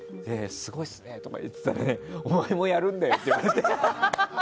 すごいっすねとか言ってたらお前もやるんだよ！って言われて。